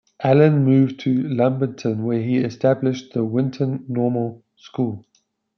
Allen moved to Lumberton, where he established the Whitin Normal School.